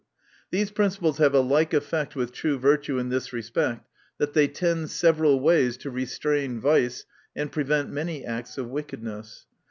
These principles have a like effect with true virtue in this respect, that they tend several ways to restrain vice, and prevent many acts of wickedness.